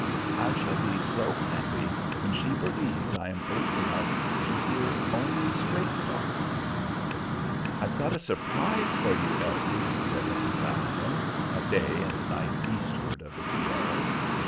I shall be so happy when she believes I am old enough to hear only straight talk." "I've got a surprise for you, Elsie," said Mrs. Valentin, a day and a night eastward of the Sierras.